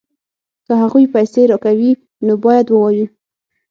که هغوی پیسې راکوي نو باید ووایو